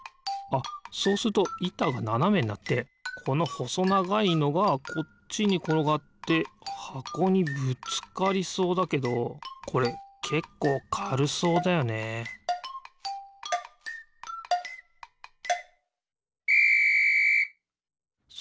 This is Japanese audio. あっそうするといたがななめになってこのほそながいのがこっちにころがってはこにぶつかりそうだけどこれけっこうかるそうだよねピッ！